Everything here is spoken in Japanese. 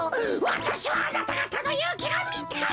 わたしはあなたがたのゆうきがみたい！